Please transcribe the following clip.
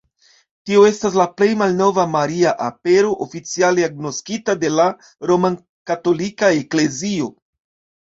Tio estas la plej malnova Maria Apero oficiale agnoskita de la Romkatolika Eklezio.